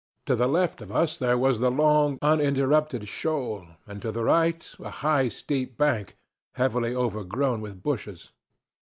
To the left of us there was the long uninterrupted shoal, and to the right a high, steep bank heavily overgrown with bushes.